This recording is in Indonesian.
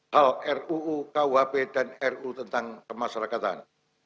hal ruu kuhp dan ru tentang kemasyarakatan